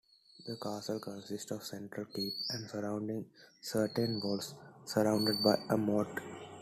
The castle consists of central keep and surrounding curtain walls, surrounded by a moat.